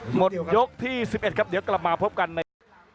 หมดยกที่๑๑ครับเดี๋ยวกลับมาพบกันนะครับ